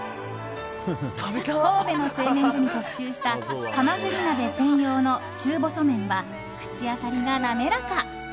神戸の製麺所に特注したはまぐり鍋専用の中細麺は口当たりが滑らか。